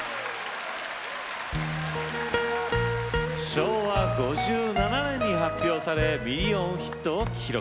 昭和５７年に発表されミリオンヒットを記録。